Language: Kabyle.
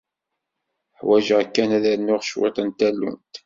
Ḥwaǧeɣ kan ad rnuɣ cwiṭ n tallunt.